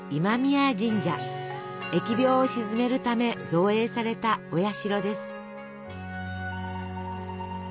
疫病を鎮めるため造営されたお社です。